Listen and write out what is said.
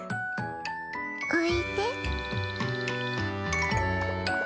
おいで。